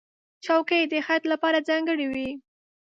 چوکۍ د خیاط لپاره ځانګړې وي.